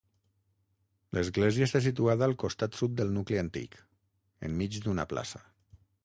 L'església està situada al costat sud del nucli antic, enmig d'una plaça.